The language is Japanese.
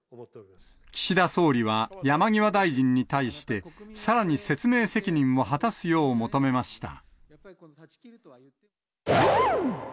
岸田総理は、山際大臣に対して、さらに説明責任を果たすよう求めました。